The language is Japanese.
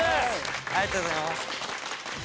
ありがとうございます。